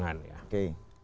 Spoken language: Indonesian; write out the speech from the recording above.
nah itu juga adalah kesimbangan